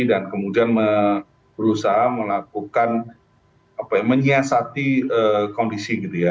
dan kemudian berusaha melakukan apa ya menyiasati kondisi gitu ya